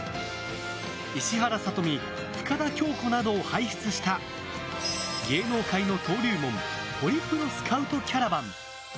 石原さとみ深田恭子などを輩出した芸能界の登竜門ホリプロスカウトキャラバン。